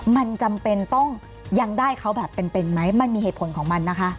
มันจำเป็นต้องยังได้เขาแบบเป็นไหมมันมีเหตุผลของมันนะคะ